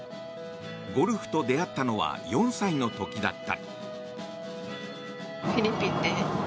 ゴルフと出会ったのは４歳の時だった。